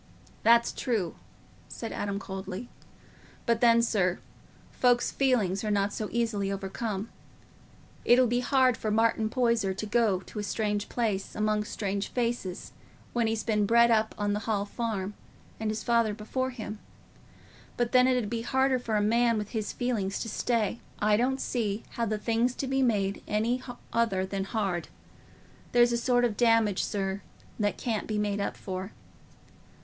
"That's true," said Adam coldly. "But then, sir, folks's feelings are not so easily overcome. It'll be hard for Martin Poyser to go to a strange place, among strange faces, when he's been bred up on the Hall Farm, and his father before him; but then it 'ud be harder for a man with his feelings to stay. I don't see how the thing's to be made any other than hard. There's a sort o' damage, sir, that can't be made up for."